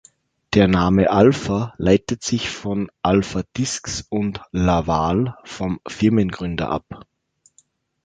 Der Name "Alfa" leitet sich von den Alpha-Discs und "Laval" vom Firmengründer ab.